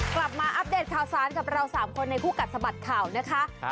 มาอัปเดตข่าวสารกับเรา๓คนในคู่กัดสะบัดข่าวนะคะ